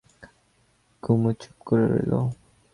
কুমু চুপ করে রইল।